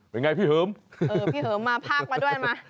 เป็นอย่างไรพี่เหิมเออพี่เหิมมาพากมาด้วยมา